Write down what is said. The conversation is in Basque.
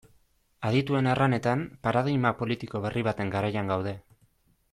Adituen erranetan, paradigma politiko berri baten garaian gaude.